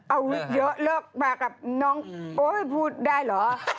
อาวุธเยอะเลิกมากับน้องโอ๊ยพูดได้เหรอ